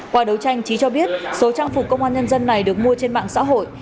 qua đấu tranh trí cho biết số trang phục công an nhân dân này được mua trên mạng xã hội